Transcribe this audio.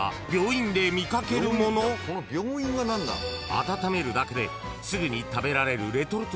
［温めるだけですぐに食べられる］